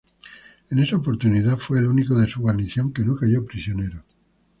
En esa oportunidad fue el único de su guarnición que no cayó prisionero.